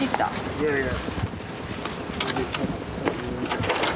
いやいや。